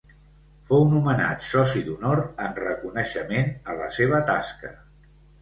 Fou nomenat soci d'honor en reconeixement a la seva tasca.